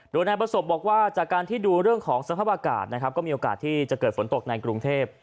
โดยนายประสบบอกว่าจากการที่ดูเรื่องของสภาพอากาศนะครับก็มีโอกาสที่จะเกิดฝนตกในกรุงเทพ